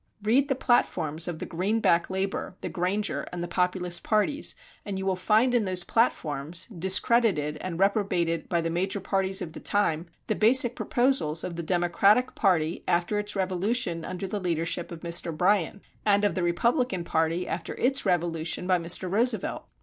Read the platforms of the Greenback Labor, the Granger, and the Populist parties, and you will find in those platforms, discredited and reprobated by the major parties of the time, the basic proposals of the Democratic party after its revolution under the leadership of Mr. Bryan, and of the Republican party after its revolution by Mr. Roosevelt.